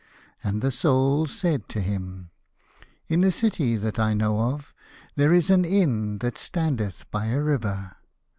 And the Soul said to him, "In a city that I know of there is an inn that standeth by a river.